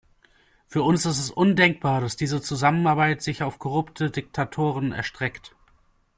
Für uns ist es undenkbar, dass diese Zusammenarbeit sich auf korrupte Diktatoren erstreckt.